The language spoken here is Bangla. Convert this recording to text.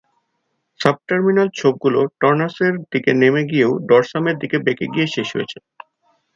সাবটার্মিনাল ছোপগুলি টর্নাস এর দিকে নেমে গিয়েও ডরসাম এর দিকে বেঁকে গিয়ে শেষ হয়েছে।